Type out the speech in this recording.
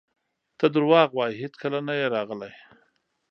ته درواغ وایې هیڅکله نه یې راغلی!